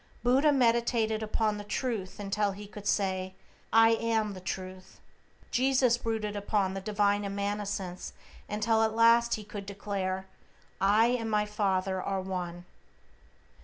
Buddha meditated upon the Truth until he could say, "I am the Truth." Jesus brooded upon the Divine immanence until at last he could declare, "I and my Father are One."